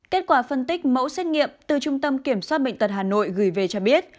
kết quả phân tích mẫu xét nghiệm từ trung tâm kiểm soát bệnh tật hà nội gửi về cho biết